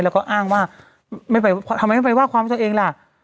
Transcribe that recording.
แล้วก็อ้างว่าทำไมไม่รู้ว่าความว่าตัวเองละ